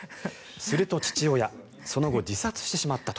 すると父親その後、自殺してしまったと。